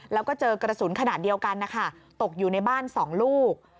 แล้วก็เจอกระสุนขนาดเดียวกันนะคะตกอยู่ในบ้าน๒ลูก